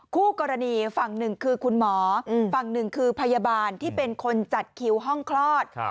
คู่กรณีฝั่งหนึ่งคือคุณหมอฝั่งหนึ่งคือพยาบาลที่เป็นคนจัดคิวห้องคลอด